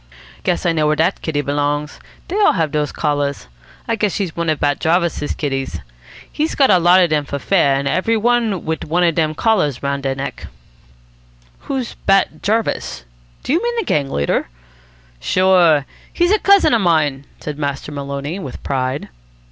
"Guess I know where dat kitty belongs. Dey all have dose collars. I guess she's one of Bat Jarvis's kitties. He's got a lot of dem for fair, and every one wit one of dem collars round deir neck." "Who's Bat Jarvis? Do you mean the gang leader?" "Sure. He's a cousin of mine," said Master Maloney with pride.